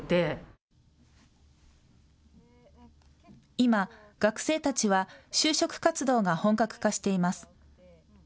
今、学生たちは就職活動が本格化しています。